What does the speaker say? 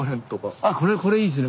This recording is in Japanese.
あっこれいいですね。